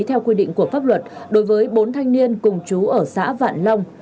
theo quy định của pháp luật đối với bốn thanh niên cùng chú ở xã vạn long